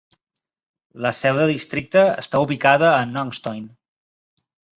La seu de districte està ubicada a Nongstoin.